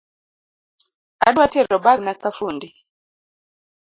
Adwa tero bagna kafundi